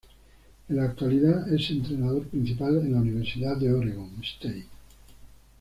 En la actualidad es entrenador principal en la Universidad de Oregon State.